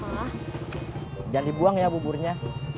jangan dibuang ya buburnya